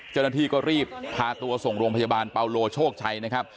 เจ้าหน้าที่ก็รีบพาตัวส่งโรงพยาบาลเปาโลโชคชัยนะครับ